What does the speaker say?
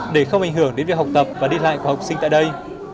để không ảnh hưởng đến việc học tập và đi lại của học sinh tại đây